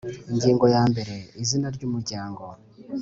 Ingingo ya mbere Izina ry Umuryango